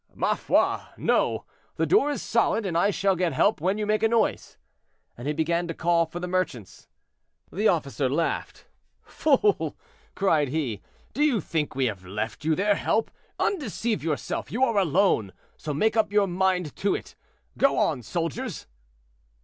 "Ma foi! no; the door is solid, and I shall get help when you make a noise." And he began to call for the merchants. The officer laughed. "Fool!" cried he. "Do you think we have left you their help? Undeceive yourself; you are alone, so make up your mind to it. Go on, soldiers."